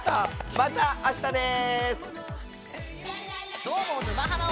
またあしたです！